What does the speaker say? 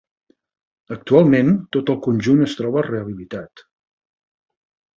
Actualment, tot el conjunt es troba rehabilitat.